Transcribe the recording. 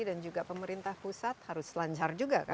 dan juga pemerintah pusat harus lancar juga kan